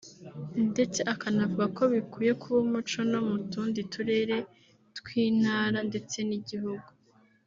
ndetse akanavuga ko bikwiye kuba umuco no mu tundi turere tw’intara ndetse n’gihugu